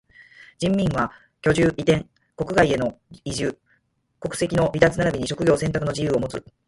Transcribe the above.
人民は居住、移転、国外への移住、国籍の離脱ならびに職業選択の自由をもつ。